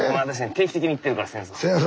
定期的に行ってるから戦争。